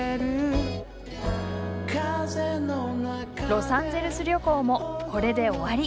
ロサンゼルス旅行もこれで終わり。